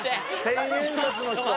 千円札の人？